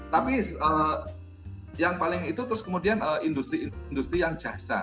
tapi yang paling itu terus kemudian industri industri yang jasa